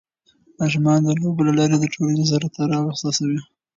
ماشومان د لوبو له لارې د ټولنې سره تړاو احساسوي.